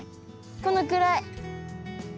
このくらい。